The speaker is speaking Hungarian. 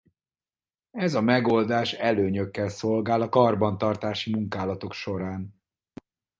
Ez a megoldás előnyökkel szolgál a karbantartási munkálatok során.